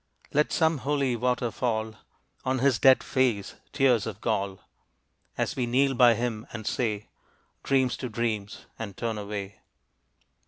Let some holy water fall On his dead face, tears of gall As we kneel by him and say, "Dreams to dreams," and turn away.